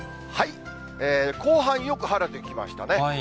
後半、よく晴れてきましたね。